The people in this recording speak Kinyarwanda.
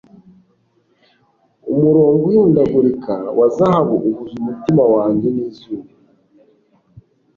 Umurongo uhindagurika wa zahabu uhuza umutima wanjye nizuba